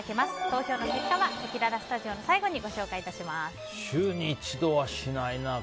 投票の結果はせきららスタジオの最後に週に一度はしないな。